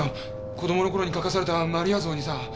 子供のころに描かされたマリア像にさぁ。